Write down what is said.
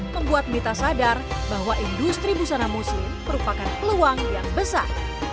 membuat mita sadar bahwa industri busana muslim merupakan peluang yang besar